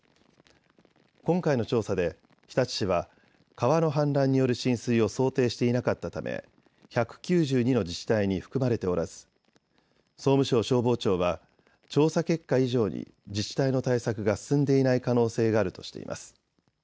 今回の調査で日立市は川の氾濫による浸水を想定していなかったため１９２の自治体に含まれておらず総務省消防庁は調査結果以上に自治体の対策が進んでいない可能性があるとしています。